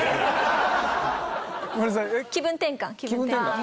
気分転換？